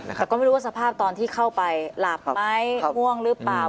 แต่ก็ไม่รู้ว่าสภาพตอนที่เข้าไปหลับไหมง่วงหรือเปล่า